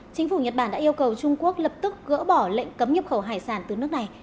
chính phủ nhật bản đã yêu cầu trung quốc lập tức gỡ bỏ lệnh cấm nhập khẩu hải sản từ nước này